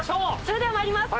それでは参ります。